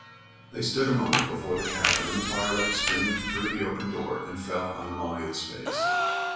They stood a moment before the cabin, and the firelight streamed through the open door and fell on Amalia's face.